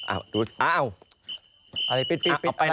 อะไรกับกุ้ง